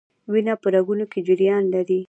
وینه په رګونو کې جریان لري